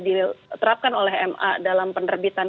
diterapkan oleh ma dalam penerbitan